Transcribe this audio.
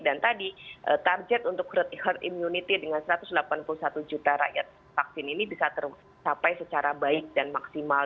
dan tadi target untuk herd immunity dengan satu ratus delapan puluh satu juta rakyat vaksin ini bisa tercapai secara baik dan maksimal